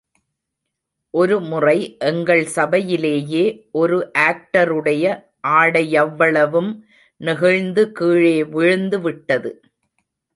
ஒரு முறை எங்கள் சபையிலேயே ஒரு ஆக்டருடைய ஆடையவ்வளவும் நெகிழ்ந்து கீழே விழுந்து விட்டது!